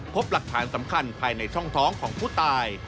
พบหลักฐานสำคัญภายในช่องท้องของผู้ตาย